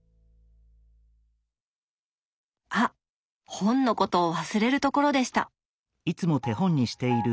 あっ本のことを忘れるところでした！